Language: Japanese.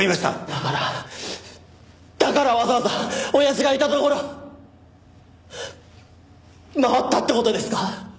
だからだからわざわざ親父がいた所回ったって事ですか？